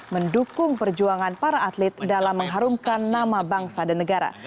mendukung perjuangan para atlet dalam mengharumkan nama bangsa dan negara